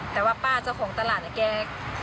แต่ว่าป้าเจ้าของตลาดเนี่ยแก